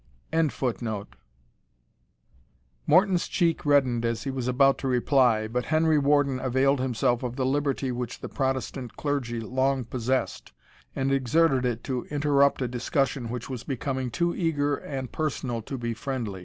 ] Morton's cheek reddened as he was about to reply; but Henry Warden availed himself of the liberty which the Protestant clergy long possessed, and exerted it to interrupt a discussion which was becoming too eager and personal to be friendly.